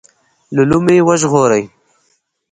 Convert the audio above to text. له لومې وژغوري.